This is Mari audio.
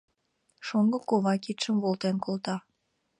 Шоҥго кува кидшым волтен колта.